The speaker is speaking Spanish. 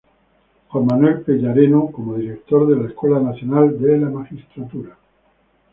Juan Manuel Pellerano como Director de la Escuela Nacional de la Magistratura.